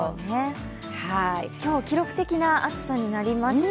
今日、記録的な暑さになりました。